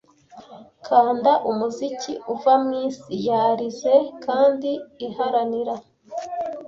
Kanda umuziki uva mwisi yarize kandi iharanira,